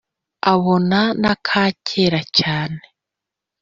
abona naka kera cyane